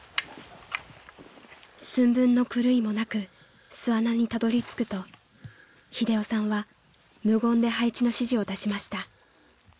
［寸分の狂いもなく巣穴にたどりつくと英雄さんは無言で配置の指示を出しました］